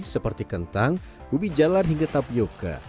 seperti kentang ubi jalan hingga tapioca